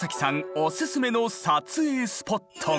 おススメの撮影スポットが！